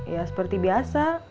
ya seperti biasa